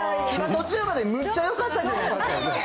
途中までむっちゃよかったじゃないですか。